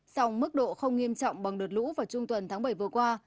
song mức độ không nghiêm trọng bằng đợt lũ vào trung tuần tháng bảy vừa qua